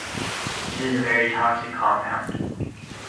It is a very toxic compound.